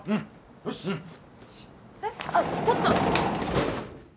えっあっちょっと！